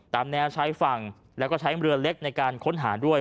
ตามแนวใช้ฝั่งแล้วก็ใช้เรือเล็กในการค้นหาด้วย